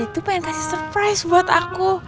adi tuh pengen kasih surprise buat aku